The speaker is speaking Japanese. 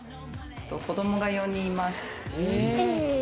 子供が４人います。